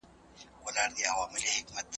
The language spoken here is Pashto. نورو ته ووايه چي خپل نظر شريک کړي.